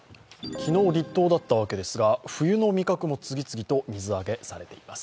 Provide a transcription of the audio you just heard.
昨日、立冬だったわけですが冬の味覚も次々と水揚げされています。